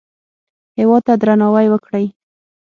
هېواد ته درناوی وکړئ